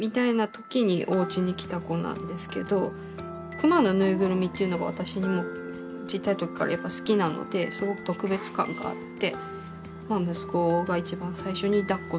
クマのぬいぐるみっていうのが私もちっちゃい時からやっぱり好きなのですごく特別感があって。